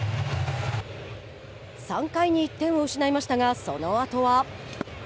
３回に１点を失いましたがそのあとは。